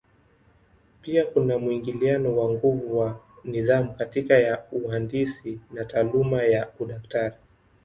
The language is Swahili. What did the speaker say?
Pia kuna mwingiliano wa nguvu wa nidhamu kati ya uhandisi na taaluma ya udaktari.